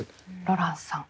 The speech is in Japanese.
ロランスさん